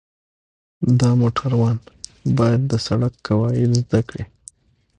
د موټروان باید د سړک قواعد زده کړي.